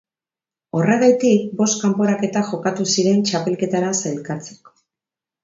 Horregatik bost kanporaketa jokatu ziren txapelketara sailkatzeko.